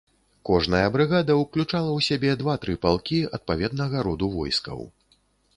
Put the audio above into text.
Кожная брыгада ўключала ў сябе два-тры палкі адпаведнага роду войскаў.